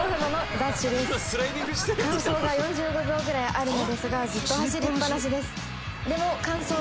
「間奏が４５秒ぐらいあるのですがずっと走りっぱなしです」